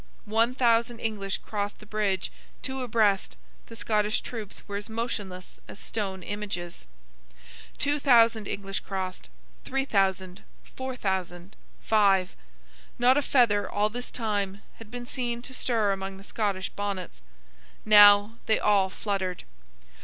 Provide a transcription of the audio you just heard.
One thousand English crossed the bridge, two abreast; the Scottish troops were as motionless as stone images. Two thousand English crossed; three thousand, four thousand, five. Not a feather, all this time, had been seen to stir among the Scottish bonnets. Now, they all fluttered.